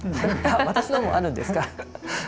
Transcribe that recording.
私のもあるんですか？